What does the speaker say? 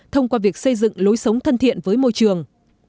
thông qua việc xây dựng lối sống thân thiện với môi trường